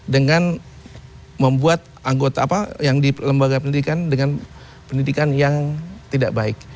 dengan membuat anggota apa yang di lembaga pendidikan dengan pendidikan yang tidak baik